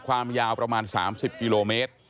ความยาวประมาณ๓๐กิโลเมตร